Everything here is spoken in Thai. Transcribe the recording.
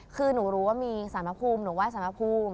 คือหนูรู้ว่ามีสารพระภูมิหนูไห้สารพระภูมิ